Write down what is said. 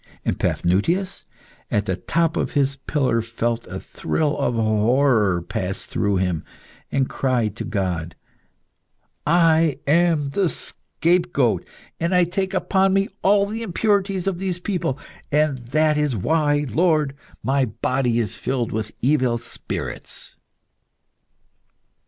And Paphnutius at the top of his pillar felt a thrill of horror pass through him, and cried to God "I am the scapegoat, and I take upon me all the impurities of these people, and that is why, Lord, my body is filled with evil spirits."